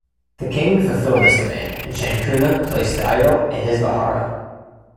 The king fulfilled this demand, and Chankuna placed the idol in his "vihara".